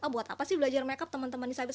buat apa sih belajar makeup teman teman disabilitas